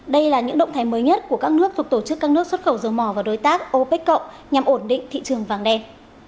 đây là những động thái mới nhất của các nước thuộc tổ chức các nước xuất khẩu dầu mò và đối tác opec cộng nhằm ổn định thị trường vàng đen